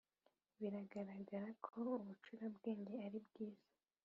biragaragara ko ubucurabwenge aribwiza